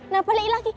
nah balik lagi